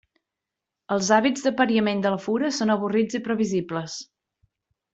Els hàbits d'apariament de la fura són avorrits i previsibles.